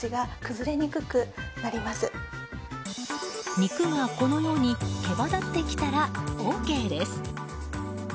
肉が、このようにけば立ってきたらＯＫです。